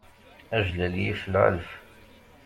Ajlal yif lɛelf.